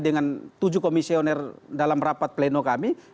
dengan tujuh komisioner dalam rapat pleno kami